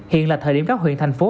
hiện là thời điểm các huyện thành phố